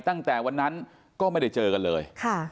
ตั้งแต่วันนั้นก็ไม่ได้เจอกันเลย